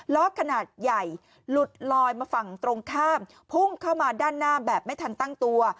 ขนาดใหญ่หลุดลอยมาฝั่งตรงข้ามพุ่งเข้ามาด้านหน้าแบบไม่ทันตั้งตัว